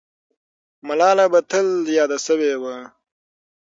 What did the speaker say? ملاله به تل یاده سوې وه.